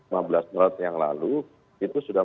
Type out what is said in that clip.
lima belas maret yang lalu itu sudah